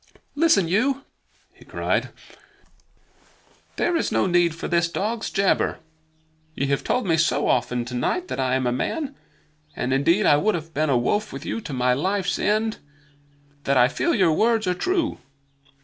"Listen you!" he cried. "There is no need for this dog's jabber. Ye have told me so often tonight that I am a man (and indeed I would have been a wolf with you to my life's end) that I feel your words are true.